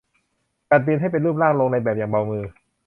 จัดดินให้เป็นรูปร่างลงในแบบอย่างเบามือ